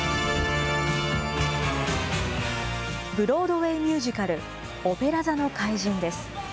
ブロードウェイミュージカル、オペラ座の怪人です。